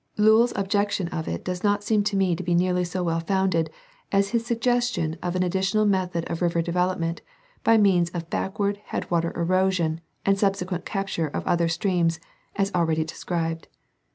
Lowl's objection to it does not seem to me to be nearly so well founded as his suggestion of an additional method of river development by means of backward headwater erosion and subsequent capture of other streams, as already described.